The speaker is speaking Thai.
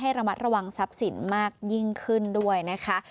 ระมัดระวังทรัพย์สินมากยิ่งขึ้นด้วยนะคะ